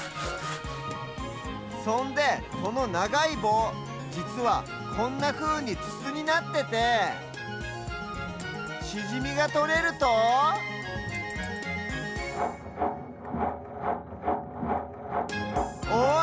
そんでこのながいぼうじつはこんなふうにつつになっててシジミがとれるとおっ！